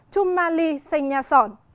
chumali xanh nhà sọn